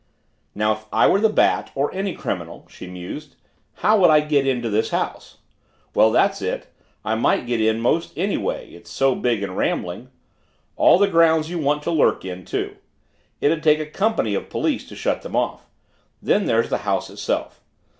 Now if I were the Bat, or any criminal, she mused, how would I get into this house? Well, that's it I might get in 'most any way it's so big and rambling. All the grounds you want to lurk in, too; it'd take a company of police to shut them off. Then there's the house itself.